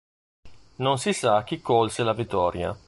Non si sa chi colse la vittoria.